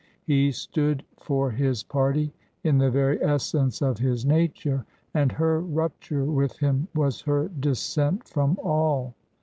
He stood for his party in the very essence of his nature, and her rupture with him was her dissent from all.